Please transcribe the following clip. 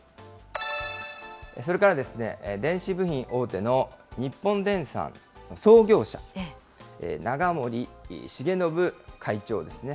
それから、電子部品大手の日本電産創業者、永守重信会長ですね。